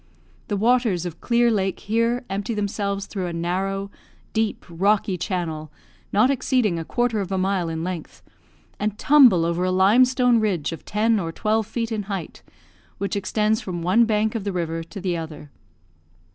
The waters of Clear Lake here empty themselves through a narrow, deep, rocky channel, not exceeding a quarter of a mile in length, and tumble over a limestone ridge of ten or twelve feet in height, which extends from one bank of the river to the other.